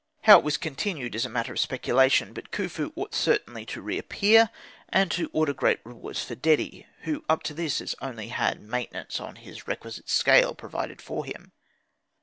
How it was continued is a matter of speculation, but Khufu ought certainly to reappear and to order great rewards for Dedi, who up to this has only had maintenance on his requisite scale provided for him.